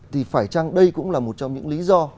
thì phải chăng đây cũng là một trong những lý do